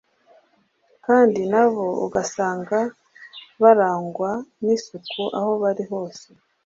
kandi na bo ugasanga barangwa n’isuku aho bari hose.